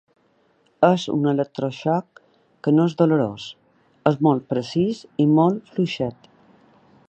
És un electroxoc que no és dolorós, és molt precís i molt fluixet.